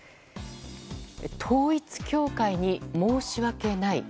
統一教会に申し訳ない。